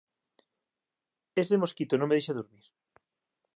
Ese mosquito non me deixa durmir